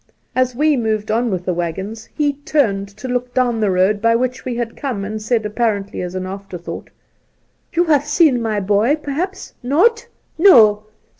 As we moved on with the waggons, he turned to look down the road by which we had come, and said, apparently as an afterthought :' You haf seen my " boy " perhaps 1 Not ? No